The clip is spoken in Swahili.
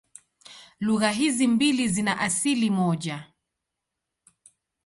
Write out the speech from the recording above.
Lugha hizi mbili zina asili moja.